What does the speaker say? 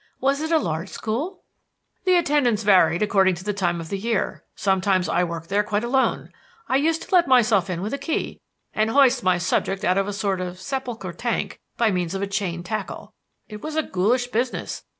Was it a large school?" "The attendance varied according to the time of the year. Sometimes I worked there quite alone. I used to let myself in with a key and hoist my subject out of a sort of sepulchral tank by means of a chain tackle. It was a ghoulish business.